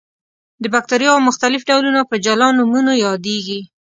د باکتریاوو مختلف ډولونه په جلا نومونو یادیږي.